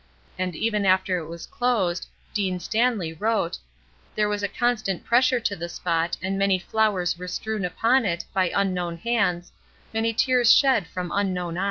And even after it was closed Dean Stanley wrote: "There was a constant pressure to the spot and many flowers were strewn upon it by unknown hands, many tears shed from unknown eyes."